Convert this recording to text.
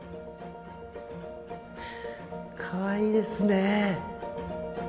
かわいいですね。